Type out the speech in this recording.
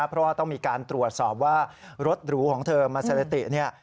เพราะว่าต้องมีการตรวจสอบว่ารถหรูของเธอมาเซเลติเนี่ย